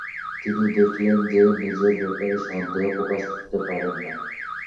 তিনি দেখলেন যে, তিনি নিজের ব্যাপারে সন্দেহ প্রকাশ করতে পারেন না।